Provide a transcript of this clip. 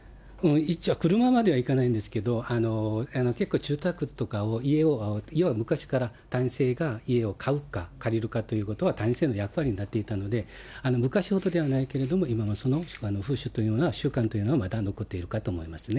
車まではいかないんですけど、結構住宅とか、家は昔から男性が家を買うか借りるかということは男性の役割になっていたので、昔ほどではないけど、今もその風習というのは、習慣というのはまだ残っているかと思いますね。